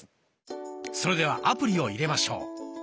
それではアプリを入れましょう。